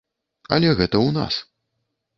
Але гэта ў нас.